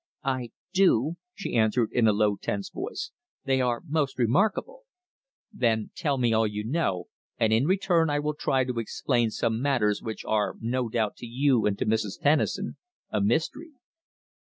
"I do," she answered in a low, tense voice. "They are most remarkable." "Then tell me all you know, and in return I will try to explain some matters which are no doubt to you and to Mrs. Tennison a mystery."